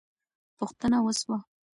پوښتنه وسوه.